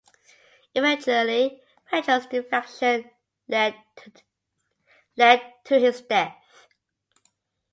Eventually, Vetrov's defection led to his death.